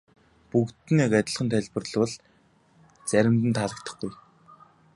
Бүгдэд нь яг адил тайлбарлавал заримд нь таалагдахгүй.